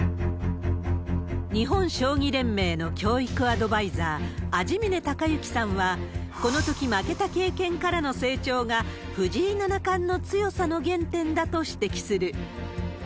日本将棋連盟の教育アドバイザー、安次嶺隆幸さんは、このとき、負けた経験からの成長が、藤井七冠の強さの原点だと指摘する。